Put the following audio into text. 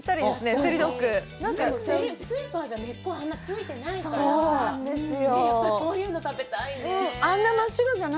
セリ、スーパーじゃあんな根っこ、あんなついてないから、やっぱりこういうの食べたいな。